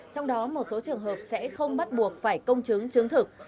trong đó một số trường hợp sẽ không bắt buộc phải công chứng chứng thực